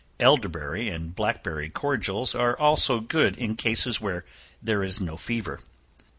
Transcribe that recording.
Elderberry and blackberry cordials are also good in cases where there is no fever.